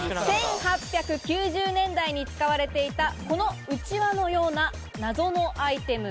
１８９０年代に使われていた、このうちわのような謎のアイテム。